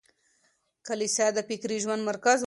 کليسا د فکري ژوند مرکز و.